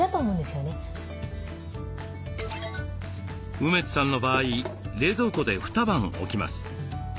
梅津さんの場合冷蔵庫で二晩置きます。